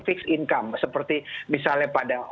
fixed income seperti misalnya pada